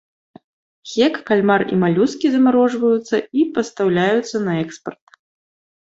Хек, кальмар і малюскі замарожваюцца і пастаўляюцца на экспарт.